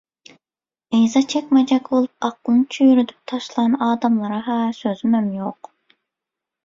Yza çekmejek bolup aklyny çüýredip taşlan adamlara ha sözümem ýok.